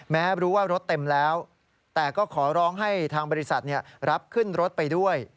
แม้รู้ว่ารถเต็มแล้วแต่ก็ขอร้องให้ทางบริษัทรับขึ้นรถไปด้วย